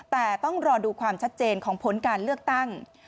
แต่ต้องรอดูความชัดเจนของผลการเลือกตั้ง